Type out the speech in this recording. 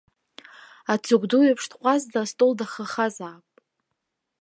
Ацыгә ду еиԥш дҟәазӡа астол дахахазаап.